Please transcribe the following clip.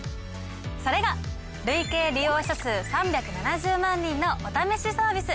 それが累計利用者数３７０万人のお試しサービス